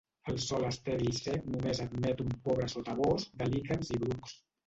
El sòl estèril sec només admet un pobre sotabosc de líquens i brucs.